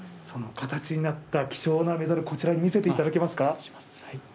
その形になった貴重なメダル、見せていただけますか。